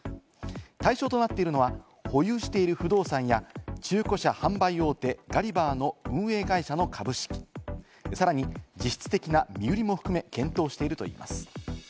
対象となっているのが保有している不動産や中古車販売大手・ガリバーの運営会社の株式、さらに実質的な身売りを含め検討しているといいます。